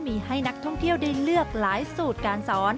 มีให้นักท่องเที่ยวได้เลือกหลายสูตรการสอน